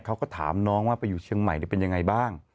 เขาก็ถามน้องว่าไปอยู่เชียงใหม่เป็นยังไงบ้าง